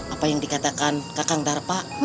apa yang dikatakan kakak darpa